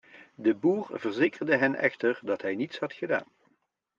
De boer verzekerde hen echter dat hij niets had gedaan.